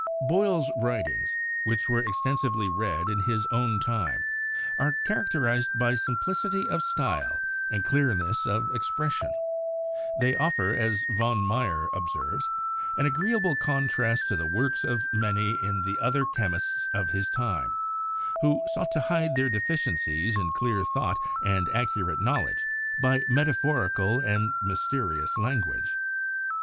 Boyle's writings, which were extensively read in his own time, are characterized by simplicity of style and clearness of expression; they offer, as von Meyer ob serves, ''an agreeable contrast to the works of many of the other chemists of his time, who sought to hide their deficiencies in clear thought and accurate knowledge by metaphorical and mysterious language."